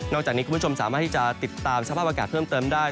จากนี้คุณผู้ชมสามารถที่จะติดตามสภาพอากาศเพิ่มเติมได้